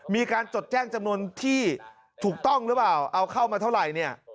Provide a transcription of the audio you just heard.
มีการจดแจ้งจำนวนที่ถูกต้องหรือเปล่าเอาเข้ามาเท่าไหร่เนี่ย